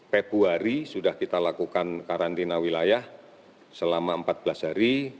februari sudah kita lakukan karantina wilayah selama empat belas hari